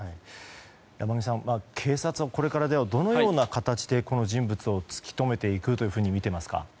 山上さん警察はこれから、どのような形でこの人物を突き止めていくとみていますか？